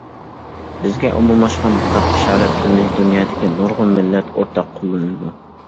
بىزگە ئومۇملاشقان بۇنداق ئىشارەت تىلىنى دۇنيادىكى نۇرغۇن مىللەت ئورتاق قوللىنىدۇ.